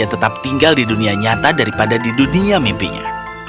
berpengalaman untuk berpengalaman di dunia nyata daripada di dunia mimpinya